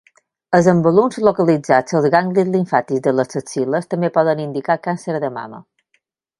Els embalums localitzats als ganglis limfàtics de les axil·les també poden indicar càncer de mama.